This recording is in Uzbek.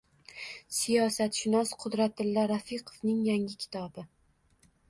Siyosatshunos Qudratilla Rafiqovning yangi kitobi...